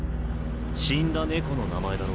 死んだ猫の名前だろ？